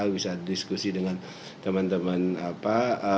bisa diskusi dengan teman teman apa